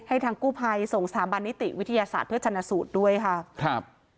ให้ทางกู้ภัยส่งสถาบัณฑินิษฐ์วิทยาศาสตร์เพื่อชนสูตรด้วยครับครับ